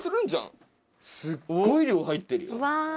すごい量入ってるよ。